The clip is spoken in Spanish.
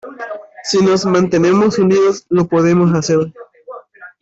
Si nos mantenemos unidos lo podemos hacer .